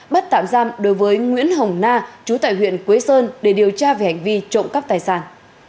bắt tạm giam đối với nguyễn hồng na chú tại huyện quế sơn để điều tra về hành vi trộm cắp tài sản